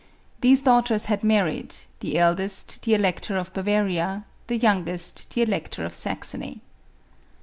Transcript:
These daughters had married, the eldest the Elector of Bavaria, the youngest the P]lector of Saxony.